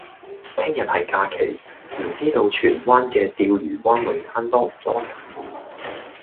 聽日係假期，唔知道荃灣嘅釣魚灣泳灘多唔多人？